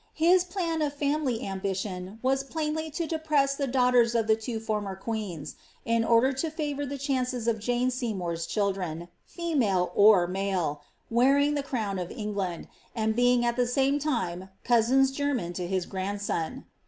his plan of family ambition was plainly to depress the daughters of the two former queens, in order to favour the chances of Jane Seymours children, female or male, wearing the crown of England, and being at the same time cousins german to his grandson.